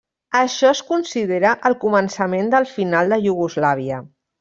Això es considera el començament del final de Iugoslàvia.